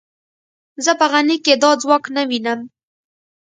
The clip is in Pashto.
زه په غني کې دا ځواک نه وینم.